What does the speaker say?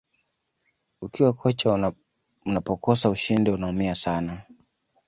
ukiwa kocha unapokosa ushindi unaumia sana